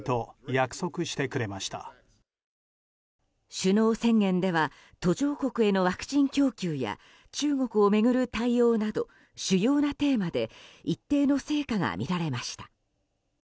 首脳宣言では途上国へのワクチン供給や中国を巡る対応など主要なテーマで一定の成果が見られました。